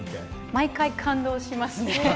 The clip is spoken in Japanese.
毎回感動しますね。